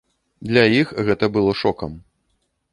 Для іх гэта было шокам.